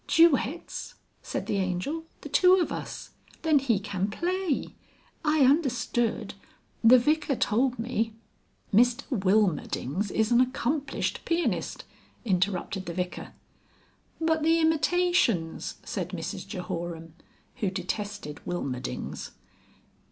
"Duets!" said the Angel; "the two of us. Then he can play. I understood the Vicar told me " "Mr Wilmerdings is an accomplished pianist," interrupted the Vicar. "But the Imitations?" said Mrs Jehoram, who detested Wilmerdings.